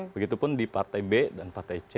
begitu pun di partai b dan partai c